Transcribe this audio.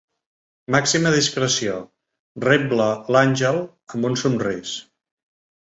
Màxima discreció, rebla l'Àngel amb un somrís.